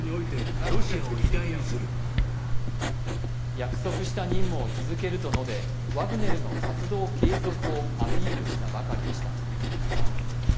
約束した任務を続けると述べワグネルの活動継続をアピールしたばかりでした。